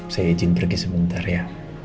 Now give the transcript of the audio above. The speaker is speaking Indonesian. saya izin pergi sebentar ya